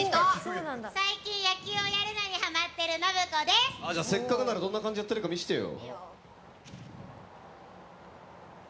最近野球をやるのにハマってるせっかくならどんな感じでやってるか見せてよ。